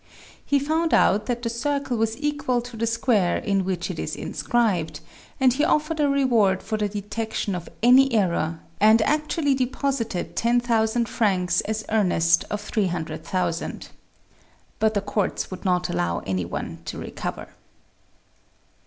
He found out that the circle was equal to the square in which it is inscribed, and he offered a reward for the detection of any error, and ac tually deposited 10,000 francs as earnest of 300,000. But the courts would not allow any one to recover.